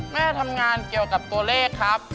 แม่ทำงานเกี่ยวกับตัวเลขครับ